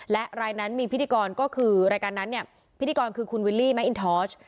และรายนั้นมีพิธีกรก็คือรายการนั้นเนี่ยพิธีกรคือคุณวิลลี่แมคอินทอช